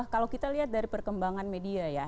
kalau kita lihat dari perkembangan media ya